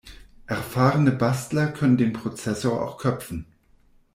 Erfahrene Bastler können den Prozessor auch köpfen.